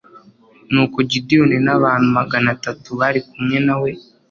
nuko gideyoni n'abantu magana atatu bari kumwe na we